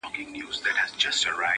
پېښه ټول کلي لړزوي ډېر-